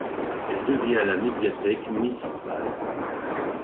Elle devient la médiathèque municipale.